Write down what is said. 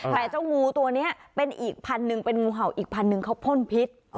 แต่เจ้างูตัวนี้เป็นอีกพันหนึ่งเป็นงูเห่าอีกพันหนึ่งเขาพ่นพิษ